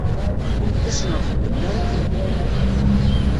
Imekkasen, ur xeddmen ara akken?